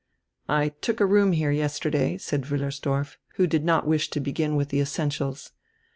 "I took a room here yesterday," said Wiillersdorf, who did not wish to begin with die essentials.